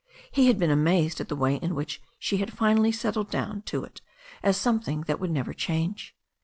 He had been amazed at the way in which she had finally settled down to it as something that would never change.